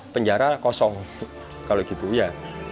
penjara kosong kalau gitu ya